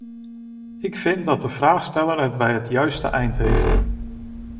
Ik vind dat de vraagsteller het bij het juiste eind heeft.